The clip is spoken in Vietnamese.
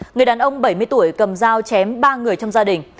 người đàn ông bảy mươi tuổi cầm dao chém ba người trong gia đình